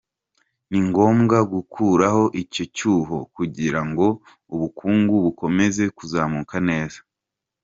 Ni ngombwa gukuraho icyo cyuho kugira ngo ubukungu bukomeze kuzamuka neza.